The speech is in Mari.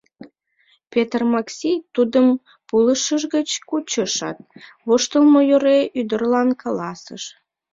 Петр Макси тудым пулышыж гыч кучышат, воштылмо йӧре ӱдырлан каласыш: